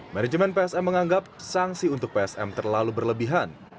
manajemen psm menganggap sanksi untuk psm terlalu berlebihan